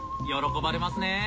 喜ばれますね。